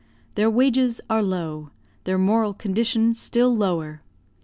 Their wages are low; their moral condition still lower.